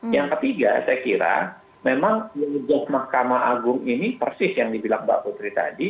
yang ketiga saya kira memang job mahkamah agung ini persis yang dibilang mbak putri tadi